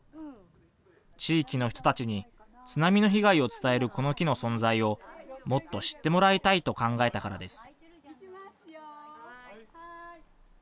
地域の人たちに津波の被害を伝えるこの木の存在をもっと知ってもらいたいと考えたからです。